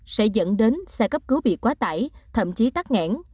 sẽ dẫn đến xe cấp cứu bị quá tải thậm chí tắt nghẽn